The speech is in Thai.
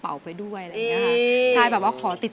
อายุ๒๔ปีวันนี้บุ๋มนะคะ